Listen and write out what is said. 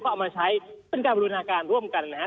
ก็เอามาใช้เป็นการบรินาการร่วมกันนะครับ